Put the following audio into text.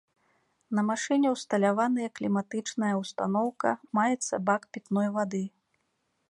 На машыне ўсталяваныя кліматычная ўстаноўка, маецца бак пітной вады.